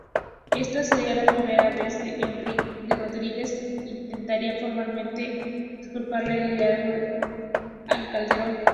Esta sería la primera vez que Rodríguez intentaría formalmente disputarle el liderazgo a Calderón.